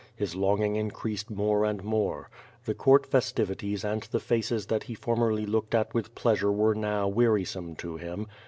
His longing increased more and more. The court festivities and the faces that he formerly looked at with pleasure were now wearisome to him.